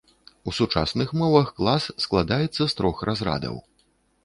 У сучасных мовах клас складаецца з трох разрадаў.